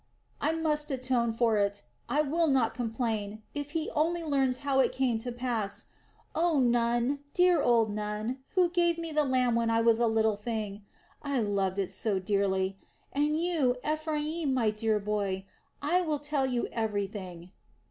I must atone for it; I will not complain, if he only learns how it came to pass. Oh, Nun, dear old Nun, who gave me the lamb when I was a little thing I loved it so dearly and you, Ephraim, my dear boy, I will tell you everything."